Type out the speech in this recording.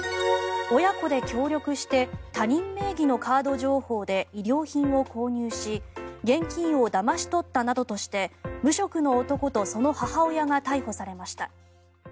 親子で協力して他人名義のカード情報で衣料品を購入し現金をだまし取ったなどとして無職の男とその母親が逮捕されました。